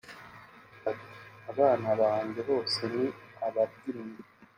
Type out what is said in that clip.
Ati “Abana banjye bose ni ababyinnyi